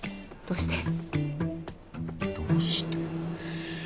どうして？